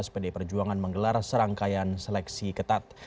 pdi perjuangan menggelar serangkaian seleksi ketat